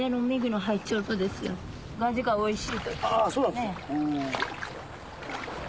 あそうなんですね。